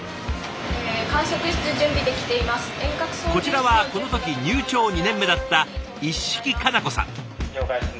こちらはこの時入庁２年目だった一色佳菜子さん。